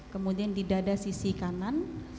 kemudian di dada sisi kanan